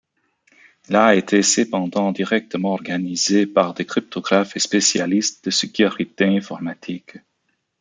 Il a été cependant directement organisé par des cryptographes et spécialistes de sécurité informatique.